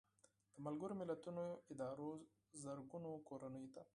د ملګرو ملتونو ادارو زرګونو کورنیو ته